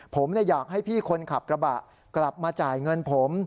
ผมอยากให้พี่คนขับกระบะกลับมาจ่ายเงินผม